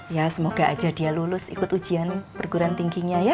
ya semoga aja dia lulus ikut ujian perguruan tingginya ya